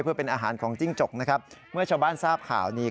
เพื่อเป็นอาหารของจิ้งจกนะครับเมื่อชาวบ้านทราบข่าวนี้